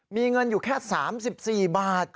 มีเงินอยู่แค่๓๔บาท